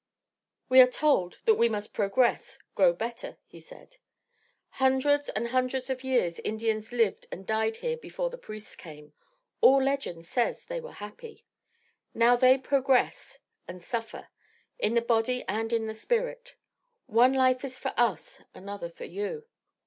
"We are told that we must progress, grow better," he said. "Hundreds and hundreds of years Indians lived and died here before the priests came. All legends say they were happy. Now they 'progress,' and suffer in the body and in the spirit. One life is for us, another for you.